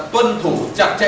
tuân thủ chặt chẽ